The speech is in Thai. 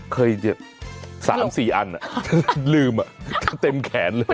เคย๓๔อันอ่ะลืมอ่ะเต็มแขนเลย